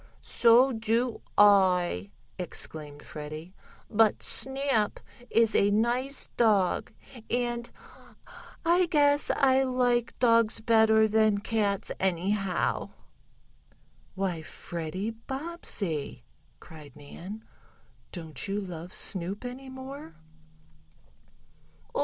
"So do I!" exclaimed Freddie. "But Snap is a nice dog, and I guess I like dogs better than cats, anyhow." "Why, Freddie Bobbsey!" cried Nan. "Don't you love Snoop any more?"